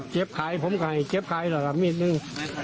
เก็บขายผมแก้เก็บขายในแบบอันหมื่นหนึ่ง